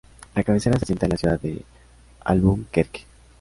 La cabecera se asienta en la ciudad de Albuquerque.